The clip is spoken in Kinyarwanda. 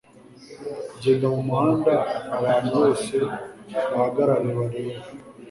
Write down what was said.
Genda mumuhanda abantu bose bahagarare bareba